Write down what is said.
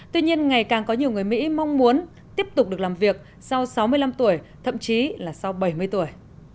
tuy nhiên ngày càng có nhiều người mỹ mong muốn tiếp tục được làm việc sau sáu mươi năm tuổi thậm chí là sau bảy mươi tuổi